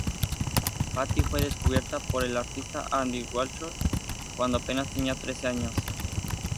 Patti fue descubierta por el artista Andy Warhol cuando apenas tenía trece años.